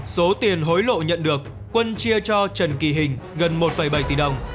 số tiền hối lộ nhận được quân chia cho trần kỳ hình gần một bảy tỷ đồng